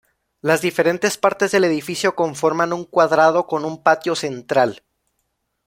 Las diferentes partes del edificio conforman un cuadrado, con un patio central.